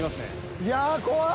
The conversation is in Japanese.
いや怖っ！